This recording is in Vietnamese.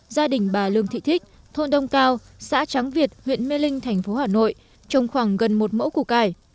gia đình bà lương thị thích thôn đông cao xã tráng việt huyện mê linh thành phố hà nội trồng khoảng gần một mẫu củ cải